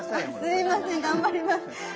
すいません頑張ります。